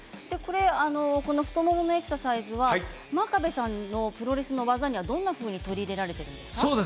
太もものエクササイズは真壁さんのプロレスの技にはどんなふうに取り入れられているんですか。